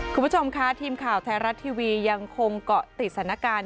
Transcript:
คุณผู้ชมค่ะทีมข่าวไทยรัฐทีวียังคงเกาะติดสถานการณ์